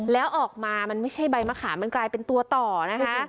แล้วออกมามันไม่ใช่ใบมะขามมันกลายเป็นตัวต่อนะคะ